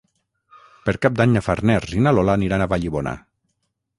Per Cap d'Any na Farners i na Lola aniran a Vallibona.